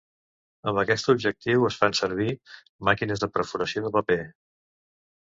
Amb aquest objectiu es fan servir màquines de perforació de paper.